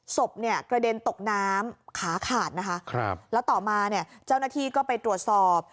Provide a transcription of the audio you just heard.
ศพเนี่ยกระเด็นตกน้ำขาขาดนะคะแล้วต่อมาเนี่ยเจ้าหน้าที่ก็ไปตรวจสอบ